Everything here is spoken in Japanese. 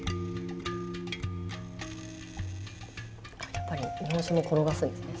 やっぱり日本酒も転がすんですね？